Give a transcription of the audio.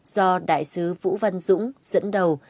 do đại sứ vũ văn dũng dẫn đầu